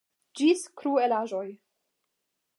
Ĝis kruelaĵoj.